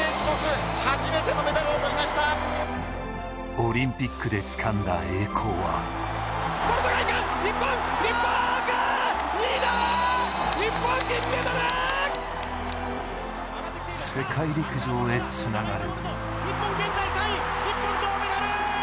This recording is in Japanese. オリンピックでつかんだ栄光は世界陸上へつながる。